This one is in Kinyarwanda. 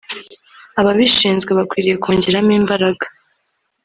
ababishinzwe bakwiriye kongeramo imbaraga